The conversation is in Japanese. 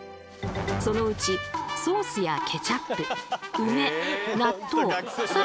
そのうちソースやケチャップ梅納豆さらに